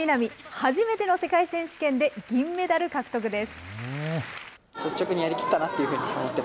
初めての世界選手権で、銀メダル獲得です。